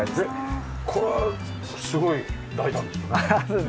これすごい大胆ですよね。